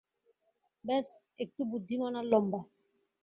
ব্যস একটু বুদ্ধিমান আর লম্বা।